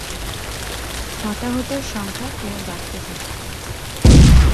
হতাহতের সংখ্যা ক্রমে বাড়তে থাকে।